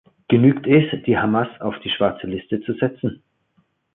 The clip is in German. Genügt es, die Hamas auf die schwarze Liste zu setzen?